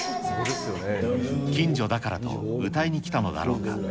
近所だからと、歌いに来たのだろうか。